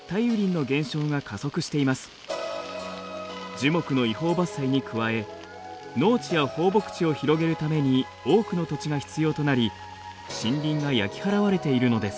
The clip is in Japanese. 樹木の違法伐採に加え農地や放牧地を広げるために多くの土地が必要となり森林が焼き払われているのです。